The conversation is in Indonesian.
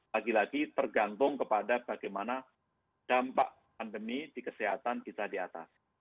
lagi lagi tergantung kepada bagaimana dampak pandemi di kesehatan kita di atas